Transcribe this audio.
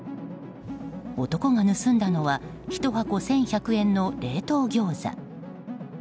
男が盗んだのは１箱１１００円の冷凍ギョーザ。